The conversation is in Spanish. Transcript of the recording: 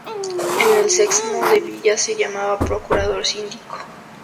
En el sexmo de Villa se llamaba "procurador síndico".